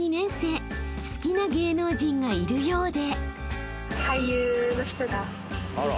［好きな芸能人がいるようで］